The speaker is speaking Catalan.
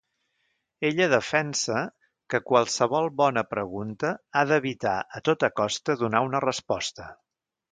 Ella defensa que qualsevol bona pregunta ha d'evitar a tota costa donar una resposta.